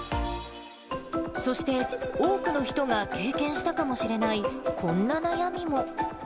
そして多くの人が経験したかもしれないこんな悩みも。